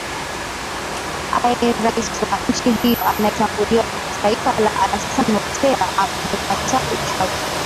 aye rais wa nchi hiyo anayetambuliwa kimataifa la alasan watera amekataa uchagu